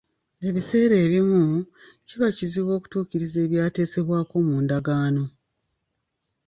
Ebiseera ebimu, kiba kizibu okutuukiriza ebyateesebwako mu ndagaano.